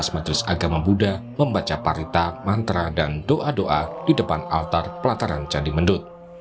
majelis agama buddha membaca parita mantra dan doa doa di depan altar pelataran candi mendut